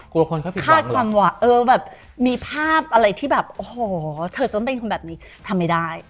กลัวคนเขาผิดหวังเหรอเออแบบมีภาพอะไรที่แบบโอ้โหเธอจะเป็นคนแบบนี้ทำไม่ได้